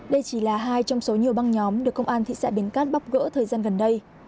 đây chỉ là hai trong số nhiều băng nhóm được công an thị xã bến cát bóc gỡ thời gian gần đây